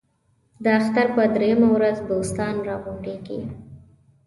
د اختر په درېیمه ورځ دوستان را غونډېږي.